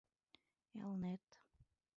Элнет.